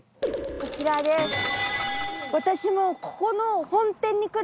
こちらです。